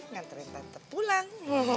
nganterin tante pulang